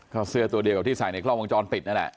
ก็เสื้อตัวเดียวกับที่ใส่ในกล้องวงจรปิดนั่นแหละ